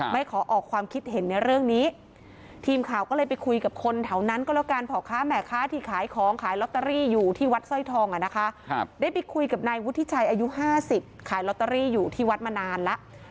พี่ชายอายุ๕๐ขายลอตเตอรี่อยู่ที่วัดมานานแล้ว